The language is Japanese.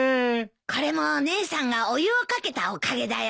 これも姉さんがお湯を掛けたおかげだよ。